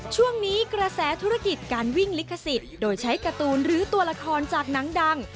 ช่วงนี้กระแสธุรกิจการวิ่งลิขสิทธิ์โดยใช้การ์ตูนหรือตัวละครจากหนังดัง